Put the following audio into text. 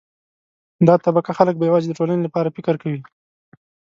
دا طبقه خلک به یوازې د ټولنې لپاره فکر کوي.